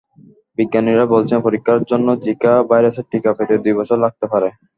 বিজ্ঞানীরা বলছেন, পরীক্ষার জন্য জিকা ভাইরাসের টিকা পেতে দুই বছর লাগতে পারে।